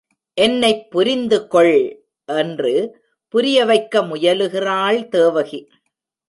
என்னைப் புரிந்து கொள்! என்று புரியவைக்க முயலுகிறாள் தேவகி.